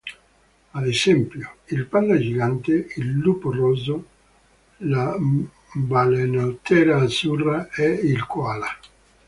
Ad esempio, il panda gigante, il lupo rosso, la balenottera azzurra e il koala.